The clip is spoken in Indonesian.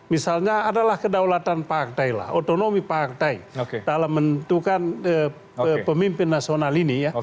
misalnya adalah kedaulatan partailah otonomi partai dalam menentukan pemimpin nasional ini